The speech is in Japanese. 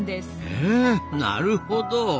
へえなるほど。